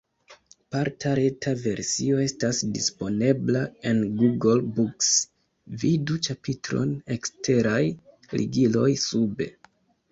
Parta reta versio estas disponebla en Google Books (vidu ĉapitron "Eksteraj ligiloj" sube).